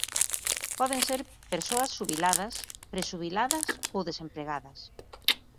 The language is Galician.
Poden ser persoas xubiladas, prexubiladas ou desempregadas.